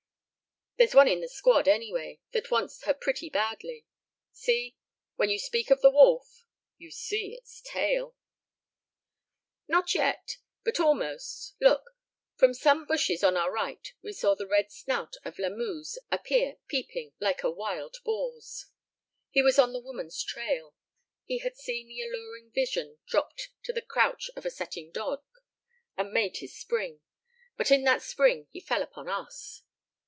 "There's one in the squad, anyway, that wants her pretty badly. See when you speak of the wolf " "You see its tail " "Not yet, but almost look!" From some bushes on our right we saw the red snout of Lamuse appear peeping, like a wild boar's. He was on the woman's trail. He had seen the alluring vision, dropped to the crouch of a setting dog, and made his spring. But in that spring he fell upon us.